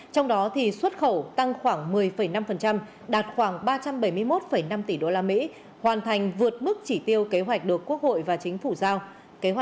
trong đó xuất khẩu tăng khoảng một mươi năm đạt khoảng ba trăm bảy mươi một năm tỷ usd hoàn thành vượt mức chỉ tiêu kế hoạch được quốc hội và chính phủ giao